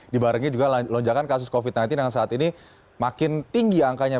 dibarengi juga lonjakan kasus covid sembilan belas yang saat ini makin tinggi angkanya